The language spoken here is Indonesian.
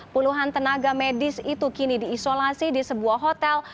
puluhan tenaga medis itu kini diisolasi di sebuah hotel